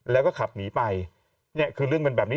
แล้วก็ขับหนีไปเนี่ยคือเรื่องเป็นแบบนี้